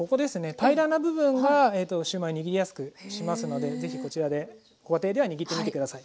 平らな部分がシューマイを握りやすくしますので是非こちらでご家庭では握ってみて下さい。